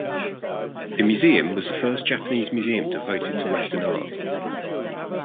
The museum was the first Japanese museum devoted to Western art.